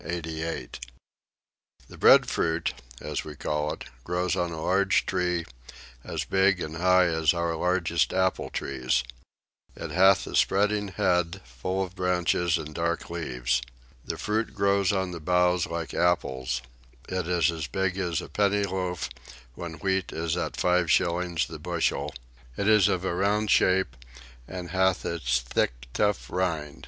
The breadfruit (as we call it) grows on a large tree, as big and high as our largest apple trees: It hath a spreading head, full of branches and dark leaves. The fruit grows on the boughs like apples; it is as big as a penny loaf when wheat is at five shillings the bushel; it is of a round shape, and hath a thick tough rind.